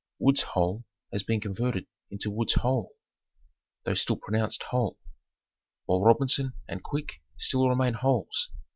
Wood's hole has been converted into Wood's Holl, though still pronounced hole ; while Robinson and Quick still remain holes.